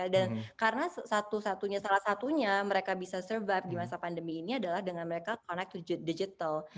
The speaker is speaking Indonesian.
dan karena satu satunya salah satunya mereka bisa survive di masa pandemi ini adalah dengan mereka connect to digital